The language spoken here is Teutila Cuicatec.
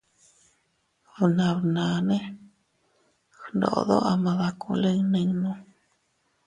Bnabnane gndodo ama dakulin ninno.